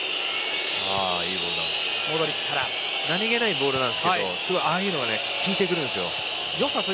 今のも何気ないボールでしたがすごいああいうのが効いてくるんですよ。